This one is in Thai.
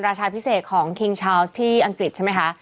ราชาพิเศษของคิงชาวส์ที่อังกฤษใช่ไหมคะ